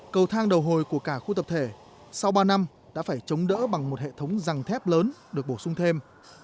cầu thang đầu hồi của cả khu tập thể sau ba năm đã phải chống đỡ bằng một hệ thống răng thép lớn được bổ sung thêm